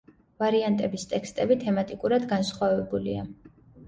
ვარიანტების ტექსტები თემატიკურად განსხვავებულია.